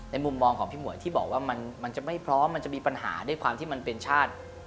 มุมมองของพี่หมวยที่บอกว่ามันจะไม่พร้อมมันจะมีปัญหาด้วยความที่มันเป็นชาติ